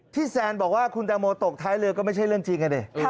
แซนบอกว่าคุณแตงโมตกท้ายเรือก็ไม่ใช่เรื่องจริงอ่ะดิ